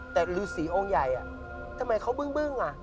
แต่ลือศรีองค์ใหญ่อ่ะทำไมเขาบึ้งอ่ะ